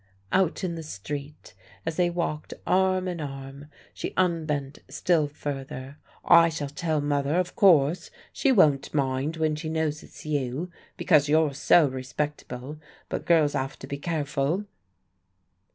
Out in the street as they walked arm in arm she unbent still further. "I shall tell mother, of course. She won't mind when she knows it's you, because you're so respectable. But girls 'ave to be careful."